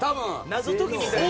謎解きみたいな。